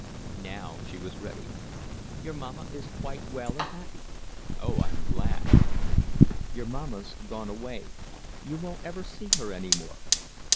Now she was ready. "Your mamma is quite well and happy." "Oh, I am glad." "Your mamma's gone away. You won't ever see her any more."